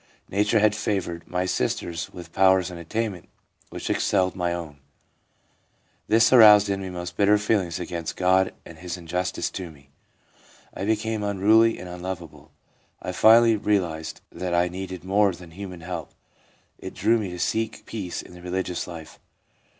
Nature had favoured my sisters with pow r ers and attainments which excelled my own ; this aroused in me most bitter feelings against God and His injustice to me. I became unruly and unlovable. I finally realised that I needed more than human help ; it drew me to seek peace in the religious life.